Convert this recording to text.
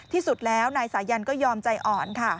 ที่สุดแล้วนายสายันก็ยอมใจอ่อนค่ะ